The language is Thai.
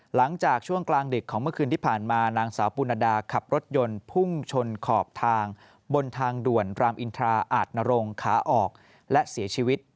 หลังจากช่วงกลางดึกของเมื่อคืนที่ผ่านมานางสาวปุณดาขับรถยนต์พุ่งชนขอบทางบนทางด่วนรามอินทราอาจนรงขาออกและเสียชีวิต